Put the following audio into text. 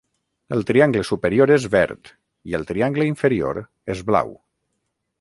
El triangle superior és verd i el triangle inferior és blau.